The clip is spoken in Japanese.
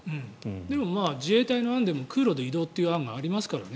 でも自衛隊の案でも空路で移動という案がありますからね。